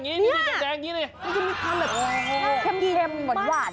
มันจะมีความแบบแบบแค่มเหมือนหวาน